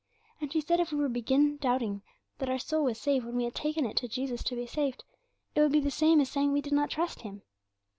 And she said if we were to begin doubting that our soul was safe when we had taken it to Jesus to be saved, it would be the same as saying we did not trust Him.